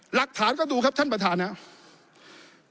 หลักฐานก็ดูครับท่านประธานครับ